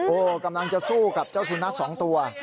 โอ้โหกำลังจะสู้กับเจ้าสุนัขสองตัว